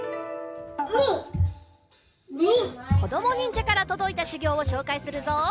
こどもにんじゃからとどいたしゅぎょうをしょうかいするぞ。